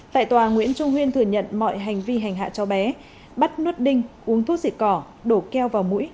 tại tòa nguyễn trung nguyên thừa nhận mọi hành vi hành hạ cháu bé bắt nuốt đinh uống thuốc dịt cỏ đổ keo vào mũi